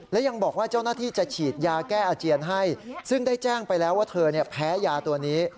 และยังบอกว่าเจ้าหน้าที่จะฉีดยาแก้อาเจียนให้ซึ่งได้แจ้งไปแล้วว่าเธอแพ้ยาตัวนี้